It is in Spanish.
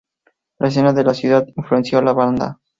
La escena de la ciudad influenció a la banda.